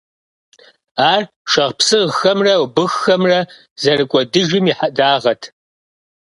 Ар шапсыгъхэмрэ убыххэмрэ зэрыкӀуэдыжым и хьэдагъэт.